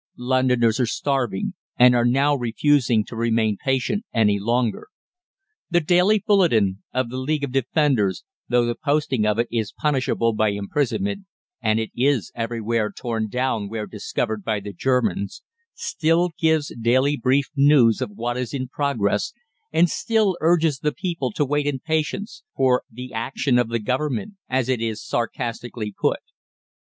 Londoners are starving, and are now refusing to remain patient any longer. The "Daily Bulletin" of the League of Defenders, though the posting of it is punishable by imprisonment, and it is everywhere torn down where discovered by the Germans, still gives daily brief news of what is in progress, and still urges the people to wait in patience, for 'the action of the Government,' as it is sarcastically put.